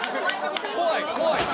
怖い怖い。